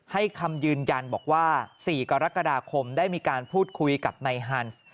ให้คำยืนยันบอกว่า๔กรกฎาคมได้มีการพูดคุยกับนายฮันส์